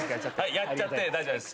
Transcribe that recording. やっちゃって大丈夫です。